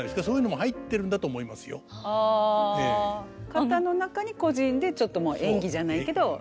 型の中に個人でちょっと演技じゃないけどやって。